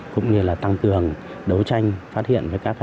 cũng như là tăng cường đấu tranh phát hiện với các hành vi